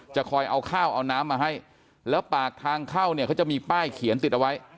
คอยเอาข้าวเอาน้ำมาให้แล้วปากทางเข้าเนี่ยเขาจะมีป้ายเขียนติดเอาไว้